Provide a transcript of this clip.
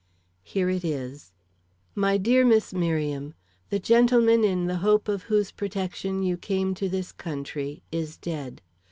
Here it is: MY DEAR MISS MERRIAM: The gentleman, in the hope of whose protection you came to this country, is dead.